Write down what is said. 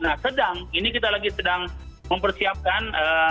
nah sedang ini kita lagi sedang mempersiapkan